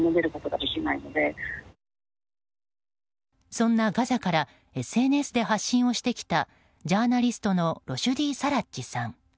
そんなガザからＳＮＳで発信をしてきたジャーナリストのロシュディ・サラッジさん。